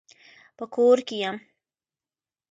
په کور کي يم .